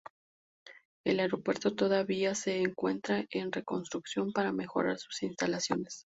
El aeropuerto todavía se encuentra en reconstrucción para mejorar sus instalaciones.